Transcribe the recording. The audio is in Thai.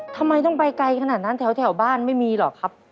ทำไมต้องไปไกลขนาดนั้นแถวบ้านไม่มีหรอกครับ